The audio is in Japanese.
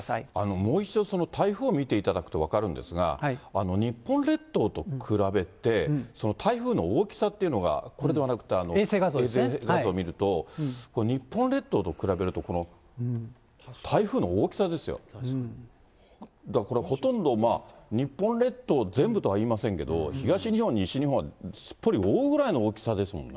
もう一度、台風を見ていただくと分かるんですが、日本列島と比べて、台風の大きさっていうのが、これではなくて、衛星画像見ると、日本列島と比べると、この台風の大きさですよ、だからこれ、ほとんどまあ、日本列島全部とはいいませんけど、東日本、西日本、すっぽり覆うぐらいの大きさですもんね。